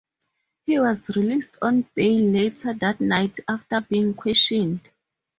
He was released on bail later that night after being questioned.